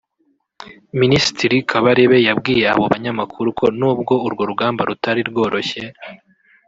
Minisitiri Kabarebe yabwiye abo banyamakuru ko n’ubwo urwo rugamba rutari rworoshye